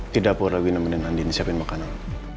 di dapur lagi nemenin andi siapin makanan